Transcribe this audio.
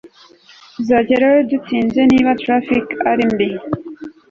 tuzagerayo bitinze niba traffic ari mbi